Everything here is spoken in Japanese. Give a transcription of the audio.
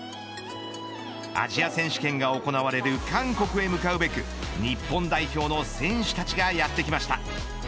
アジア選手権が行われる韓国へ向かうべく日本代表の選手たちがやってきました。